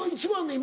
今！